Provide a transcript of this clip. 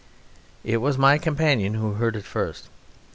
It was my companion who heard it first.